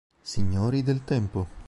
Signori del tempo